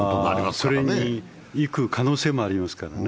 それにいく可能性はありますからね。